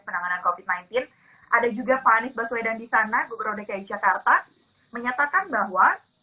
penanganan covid sembilan belas ada juga pak anies baswedan di sana gubernur dki jakarta menyatakan bahwa